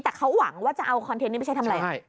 แต่เขาหวังว่าจะเอาคอนเทนต์นี้ไปใช้ทำอะไร